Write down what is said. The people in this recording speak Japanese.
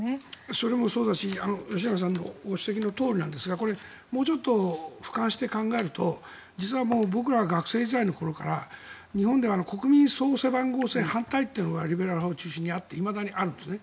それもそうだし吉永さんのご指摘のとおりなんですがこれ、もうちょっと俯瞰して考えると実は僕ら、学生時代の頃から日本では国民総背番号制反対というのがリベラル派を中心にあっていまだにあるんですね。